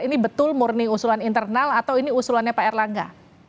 ini betul murni usulan internal atau ini usulannya pak erlangga